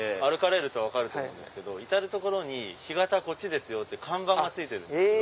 歩くと分かると思うんですけど至る所に干潟こっちですよって看板が付いてるんです。